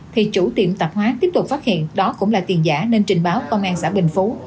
thì chủ tiệm tạp hóa tiếp tục phát hiện đó cũng là tiền giả nên trình báo công an xã bình phú